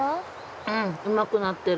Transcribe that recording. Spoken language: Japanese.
うんうまくなってる。